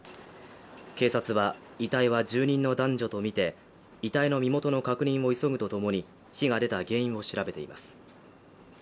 警察は、遺体は住人の男女とみて遺体の身元の確認を急ぐとともに火が出た原因を調べています。